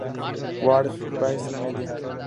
War, Peace and the Media.